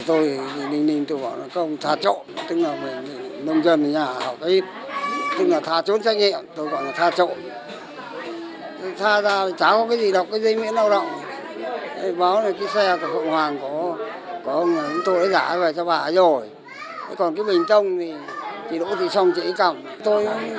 ông thêm ông nguyễn khắc văn ông thờ thủ đô ông thờ thủ đô ông thờ thủ đô ông thờ thủ đô ông thờ thủ đô ông thờ thủ đô